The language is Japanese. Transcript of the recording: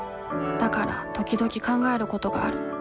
だから時々考えることがある。